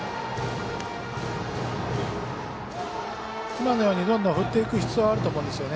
今のようにどんどん振っていく必要があると思うんですよね。